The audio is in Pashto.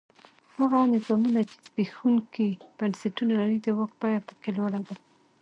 هغه نظامونه چې زبېښونکي بنسټونه لري د واک بیه په کې لوړه ده.